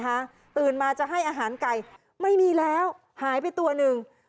ตื่นมาจะให้อาหารไก่ไม่มีแล้วหายไปตัวหนึ่ง